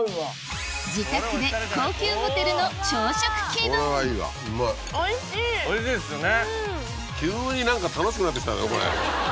自宅で高級ホテルの朝食気分おいしいですよね。